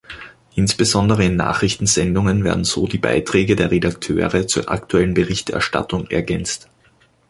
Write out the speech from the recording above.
Insbesondere in Nachrichtensendungen werden so die Beiträge der Redakteure zur aktuellen Berichterstattung ergänzt.